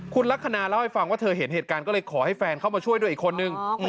คุณลักษณะเล่าให้ฟังว่าเธอเห็นเหตุการณ์ก็เลยขอให้แฟนเข้ามาช่วยด้วยอีกคนนึง